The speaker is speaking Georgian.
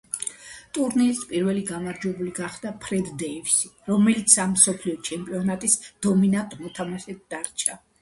ტურნირის პირველი გამარჯვებული გახდა ფრედ დეივისი, რომელიც ამ „მსოფლიო ჩემპიონატის“ დომინანტ მოთამაშედ დარჩა.